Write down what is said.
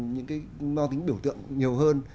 những cái mang tính biểu tượng nhiều hơn